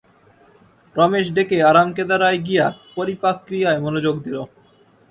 রমেশ ডেকে আরাম-কেদারায় গিয়া পরিপাক-ক্রিয়ায় মনোযোগ দিল।